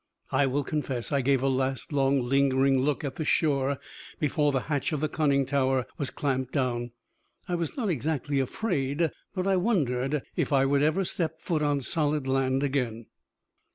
I will confess I gave a last long, lingering look at the shore before the hatch of the conning tower was clamped down. I was not exactly afraid, but I wondered if I would ever step foot on solid land again.